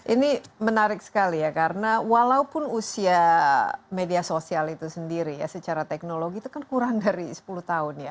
ini menarik sekali ya karena walaupun usia media sosial itu sendiri ya secara teknologi itu kan kurang dari sepuluh tahun ya